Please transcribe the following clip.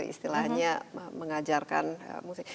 istilahnya mengajarkan musik